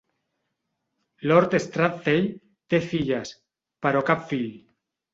Lord Strathspey té filles, però cap fill.